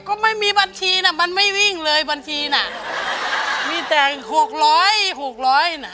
ก็ไม่มีบัญชีน่ะมันไม่วิ่งเลยบัญชีน่ะมีแต่หกร้อยหกร้อยน่ะ